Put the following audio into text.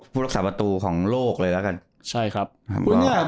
ผู้ดอกศาลประตูของโลกเลยแล้วกัน